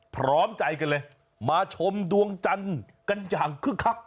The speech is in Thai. พร้อมใจกันเลยมาชมดวงจันทร์กันอย่างคึกคัก